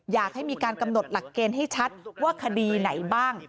อยากให้มีการกำหนดหลักเกณฑ์ให้ชัดว่าคดีไหนบ้าง